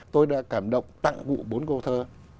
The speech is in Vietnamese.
tôi đã cảm động tặng vụ bốn câu thơ